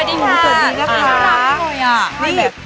ประดิ่งรู้สึกนี้นะคะ